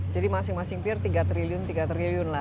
jadi masing masing peer tiga triliun tiga triliun lah